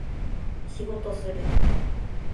仕事する